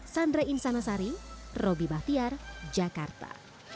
sandra insanasari roby bahtiar jakarta